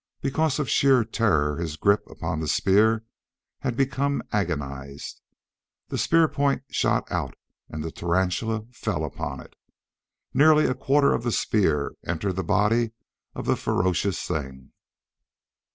Because of sheer terror his grip upon the spear had become agonized. The spear point shot out and the tarantula fell upon it. Nearly a quarter of the spear entered the body of the ferocious thing.